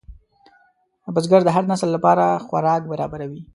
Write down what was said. بزګر د هر نسل لپاره خوراک برابروي